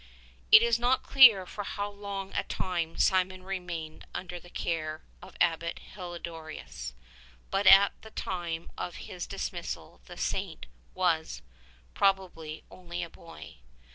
It is not clear for how long a time Simeon remained un der the care of Abbot Helidorous, but at the time of his dismissal the Saint was, probably, only a boy.